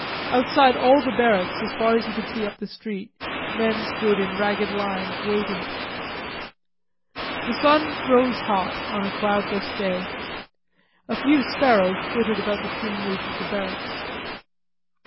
Outside all the barracks, as far as he could see up the street, men stood in ragged lines waiting. The sun rose hot on a cloudless day. A few sparrows twittered about the tin roof of the barracks.